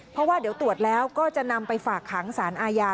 เพราะว่าเดี๋ยวตรวจแล้วก็จะนำไปฝากขังสารอาญา